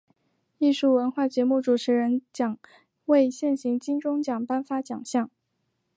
艺术文化节目主持人奖为现行金钟奖颁发奖项。